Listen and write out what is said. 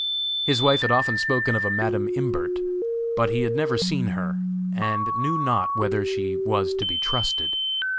His wife had often spoken of a Madam Imbert, but he had never seen her, and knew not whether she was to be trusted.